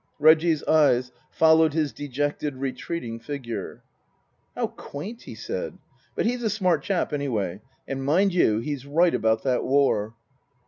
Reggie's eyes followed his dejected, retreating figure. " How quaint !" he said. " But he's a smart chap, anyway. And, mind you, he's right about that war."